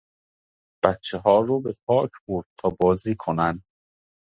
بچهها رو به پارک برد تا بازی کنن